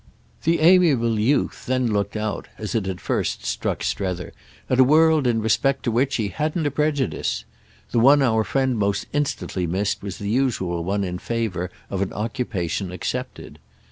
The amiable youth then looked out, as it had first struck Strether, at a world in respect to which he hadn't a prejudice. The one our friend most instantly missed was the usual one in favour of an occupation accepted.